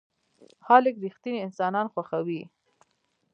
خلک رښتيني انسانان خوښوي.